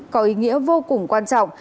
có ý nghĩa vô cùng quan trọng